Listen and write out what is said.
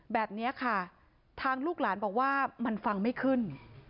แบบนี้ค่ะทางลูกหลานบอกว่ามันฟังไม่ขึ้น